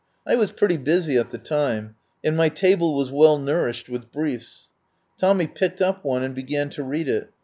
I was pretty busy at the time, and my table was well nourished with briefs. Tommy picked up one and be gan to read it.